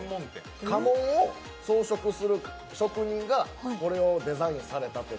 家紋を装飾する職人がこれをデザインされたと。